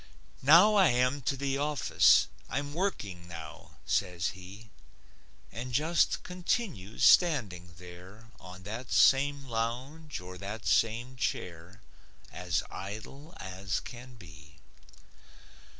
"Now I am to the office. I'm working now," says he, And just continues standing there On that same lounge or that same chair, As idle as can be.